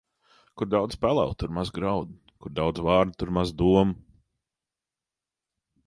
Kur daudz pelavu, tur maz graudu; kur daudz vārdu, tur maz domu.